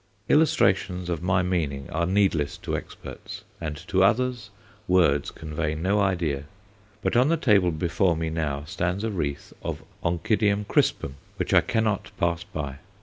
Illustrations of my meaning are needless to experts, and to others words convey no idea. But on the table before me now stands a wreath of Oncidium crispum which I cannot pass by.